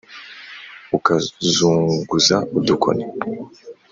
ukazunguza udukoni